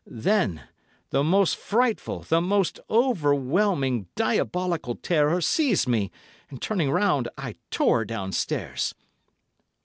Then the most frightful, the most overwhelming, diabolical terror seized me, and turning round, I tore downstairs.